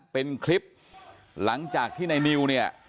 เป็นคลิปหลังจากที่ในนิว